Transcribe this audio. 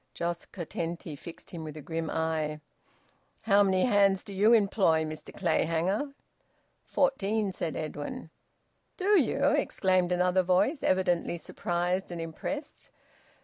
Jos Curtenty fixed him with a grim eye. "How many hands do you employ, Mr Clayhanger?" "Fourteen," said Edwin. "Do you?" exclaimed another voice, evidently surprised and impressed.